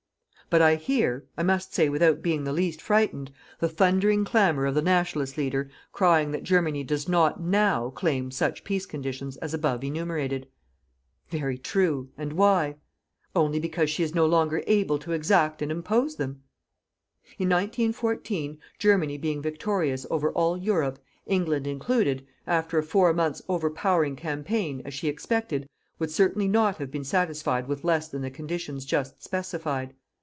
But I hear I must say without being the least frightened the thundering clamour of the Nationalist leader crying that Germany does not NOW claim such peace conditions as above enumerated. Very true, and why? Only because she is no longer able to exact and impose them! In 1914, Germany being victorious over all Europe, England included, after a four months overpowering campaign, as she expected, would certainly not have been satisfied with less than the conditions just specified.